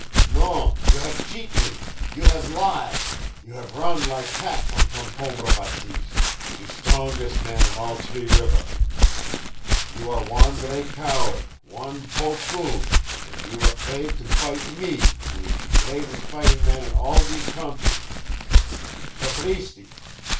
"Non, you have cheat me, you have lie, you have run lak cat from Concombre Bateese, ze stronges' man on all T'ree River! You are wan' gran' coward, wan poltroon, an' you 'fraid to fight ME, who ees greates' fightin' man in all dees countree! Sapristi!